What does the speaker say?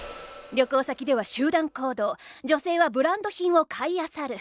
旅行先では集団行動女性はブランド品を買い漁る。